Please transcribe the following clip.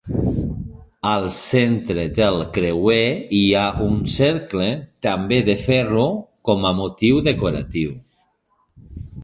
Al centre del creuer hi ha un cercle també de ferro com a motiu decoratiu.